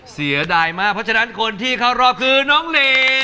เสียดายมากเพราะฉะนั้นคนที่เข้ารอบคือน้องเล